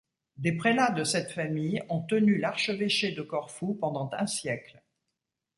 Des prélats de cette famille ont tenu l'archevêché de Corfou pendant un siècle.